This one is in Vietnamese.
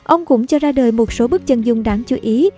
ông cũng cho ra đời một số bức chân dung đáng chú ý